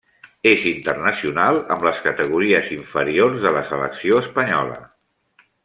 És internacional amb les categories inferiors de la selecció espanyola.